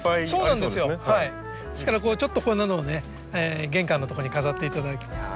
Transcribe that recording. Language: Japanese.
ですからちょっとこんなのをね玄関のとこに飾っていただくととても。